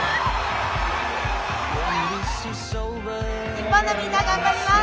日本のみんな、頑張ります！